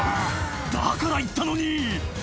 「だから言ったのに」